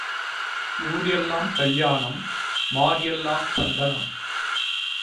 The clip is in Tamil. ஊர் எல்லாம் கல்யாணம் மார் எல்லாம் சந்தனம்.